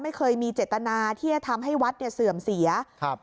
ไม่เคยมีเจตนาที่จะทำให้วัดเนี่ยเสื่อมเสียครับ